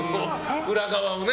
裏側をね。